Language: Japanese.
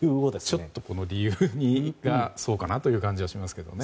ちょっとこの理由はそうかな？という感じがします。